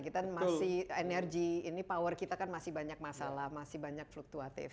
kita masih energi ini power kita kan masih banyak masalah masih banyak fluktuatif